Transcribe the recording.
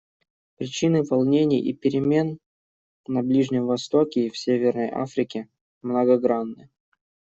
Причины волнений и перемен на Ближнем Востоке и в Северной Африке многогранны.